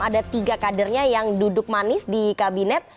ada tiga kadernya yang duduk manis di kabinet